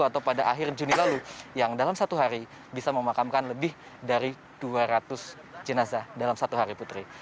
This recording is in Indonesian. atau pada akhir juni lalu yang dalam satu hari bisa memakamkan lebih dari dua ratus jenazah dalam satu hari putri